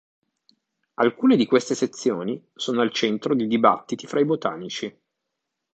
Alcune di queste sezioni sono al centro di dibattiti fra i botanici.